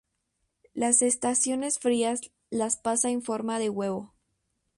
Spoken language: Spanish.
Las estaciones frías las pasa en forma de huevo.